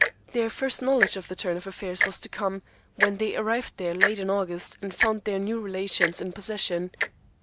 Their first knowledge of the turn of affairs was to come when they arrived there late in August, and found their new relations in possession.